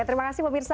terima kasih pemirsa